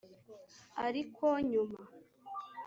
ariko nyuma